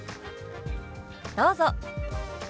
どうぞ。